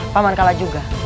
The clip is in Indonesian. pak man kalah juga